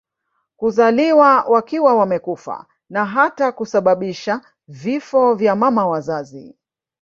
kuzaliwa wakiwa wamekufa na hata kusababisha vifo vya mama wazazi